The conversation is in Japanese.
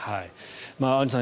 アンジュさん